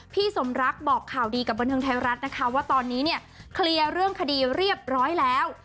พี่สมรักบอกข่าวดีกับบันเทิงไทยรัฐนะคะว่าตอนนี้เนี่ยเคลียร์เรื่องคดีเรียบร้อยแล้ว